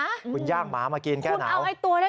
หมูหง้าวคุณย่างหมามากินแก้หนาว